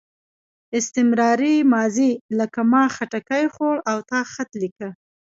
استمراري ماضي لکه ما خټکی خوړ او تا خط لیکه.